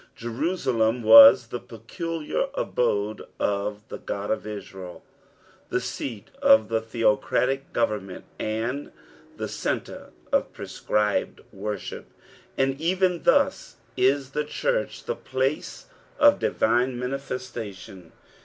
Jerusalem was the peculiar abode of the God of Israel, the seat of the theocratic government, and the centre of prescribed worship, and even thus is the church the place ot divine manifestation.